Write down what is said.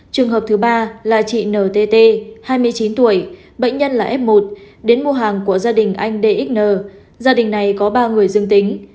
trường hợp thứ ba là chị ntt hai mươi chín tuổi bệnh nhân là f một đến mua hàng của gia đình anh dxn gia đình này có ba người dương tính